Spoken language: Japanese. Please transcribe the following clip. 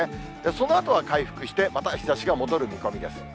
そのあとは回復して、また日ざしが戻る見込みです。